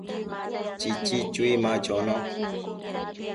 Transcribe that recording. Chichi chui ma chono